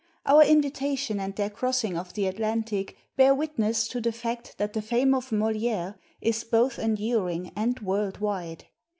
Our invitation and their crossing of the Atlantic bear witness to the fact that the fame of Moliere is both enduring and world wide.